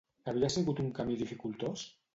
Havia sigut un camí dificultós?